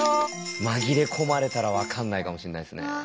紛れ込まれたら分かんないかもしんないっすね。